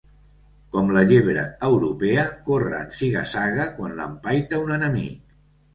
Com la llebre europea, corre en ziga-zaga quan l'empaita un enemic.